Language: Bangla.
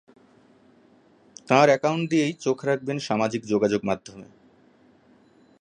তাঁর অ্যাকাউন্ট দিয়েই চোখ রাখবেন সামাজিক যোগাযোগমাধ্যমে।